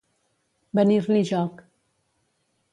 Venir-li joc.